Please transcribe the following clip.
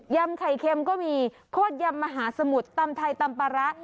ำไข่เค็มก็มีโคตรยำมหาสมุทรตำไทยตำปลาร้า